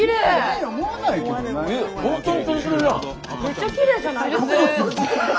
めっちゃきれいじゃないですか！